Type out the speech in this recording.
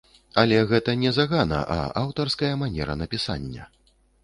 Але гэта не загана, а аўтарская манера напісання.